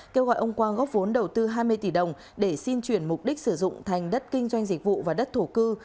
kêu gọi ông quang góp vốn đầu tư hai mươi tỷ đồng để xin chuyển mục đích sử dụng thành đất kinh doanh dịch vụ và đất thổ cư